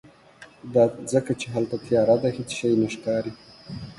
دا ځکه چې هلته تیاره ده، هیڅ شی نه ښکاری